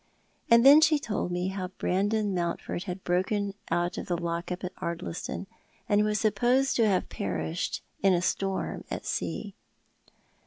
And then she told me how Brandon Mountford had broken out of the lock up at Ardliston, and was supposed to have perished in a storm at sea.